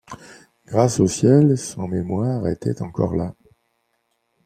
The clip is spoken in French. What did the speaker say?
Grâce au ciel, son mémoire était encore là!